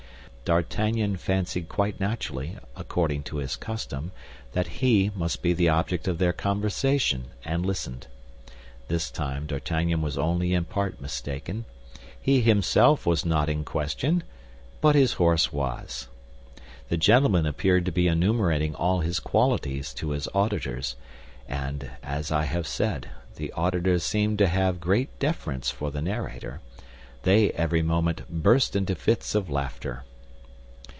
D'Artagnan fancied quite naturally, according to his custom, that he must be the object of their conversation, and listened. This time D'Artagnan was only in part mistaken; he himself was not in question, but his horse was. The gentleman appeared to be enumerating all his qualities to his auditors; and, as I have said, the auditors seeming to have great deference for the narrator, they every moment burst into fits of laughter.